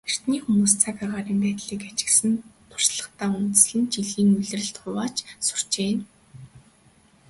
Эртний хүмүүс цаг агаарын байдлыг ажигласан туршлагадаа үндэслэн жилийг улиралд хувааж сурчээ.